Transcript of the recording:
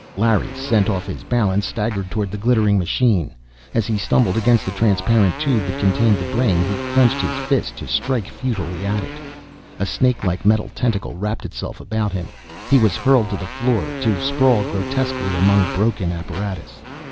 Larry, sent off his balance, staggered toward the glittering machine. As he stumbled against the transparent tube that contained the brain, he clenched his fist to strike futilely at it. A snake like metal tentacle wrapped itself about him; he was hurled to the floor, to sprawl grotesquely among broken apparatus.